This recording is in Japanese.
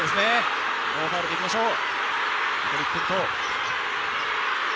ノーファウルでいきましょう。